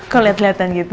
kok liat liatan gitu